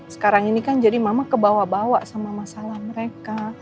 sekarang ini kan jadi mama kebawa bawa sama masalah mereka